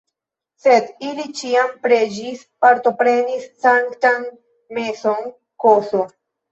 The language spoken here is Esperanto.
Sed ili ĉiam preĝis, partoprenis sanktan meson ks.